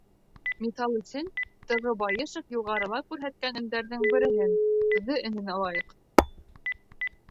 Миҫал өсөн Т.Ғ.Байышев юғарыла күрһәткән өндәрҙең береһен — ҙ өнөн алайыҡ.